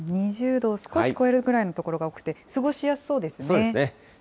２０度を少し超えるぐらいの所が多くて、過ごしやすそうですそうですね。